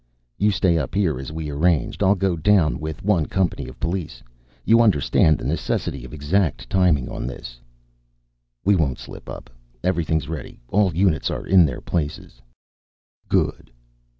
"You stay up here, as we arranged. I'll go down with one company of police. You understand the necessity of exact timing on this?" "We won't slip up. Everything's ready. All units are in their places." "Good."